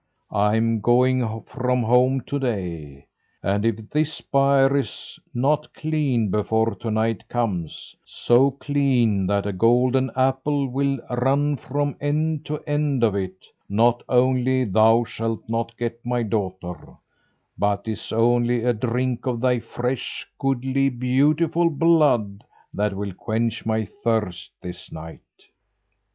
I am going from home to day, and if this byre is not cleaned before night comes, so clean that a golden apple will run from end to end of it, not only thou shalt not get my daughter, but 'tis only a drink of thy fresh, goodly, beautiful blood that will quench my thirst this night."